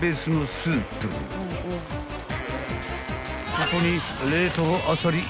［ここに］